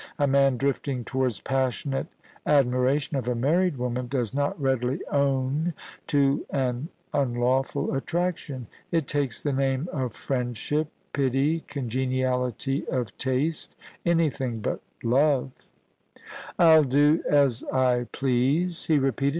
A man drifting towards passionate admiration of a married woman, does not readily own to an unlawful attraction. It takes the name of friendship, pity, congeniality of taste — anything but love. * ril do as I please,' he repeated.